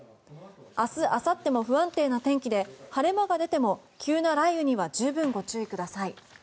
明日あさっても不安定な天気で晴れ間が出ても急な雷雨には十分ご注意ください。